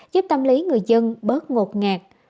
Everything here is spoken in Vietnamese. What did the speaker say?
giúp tâm lý người dân bớt ngột ngạt